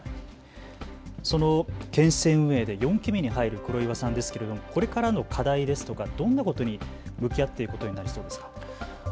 その県政運営で４期目に入る黒岩さんですけれどもこれからの課題ですとかどんなことに向き合っていくことになりそうですか。